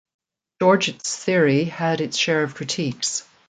George's theory had its share of critiques.